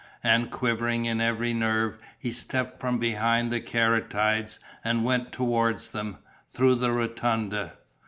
And, quivering in every nerve, he stepped from behind the caryatides and went towards them, through the rotunda.